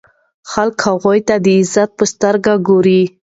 خلک هغوی ته د عزت په سترګه ګوري.